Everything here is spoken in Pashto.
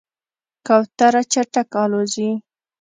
کوتره چټکه الوزي.